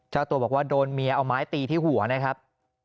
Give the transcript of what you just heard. เจ้าตัวบอกว่าโดนเมียเอาไม้ตีที่หัวนะครับ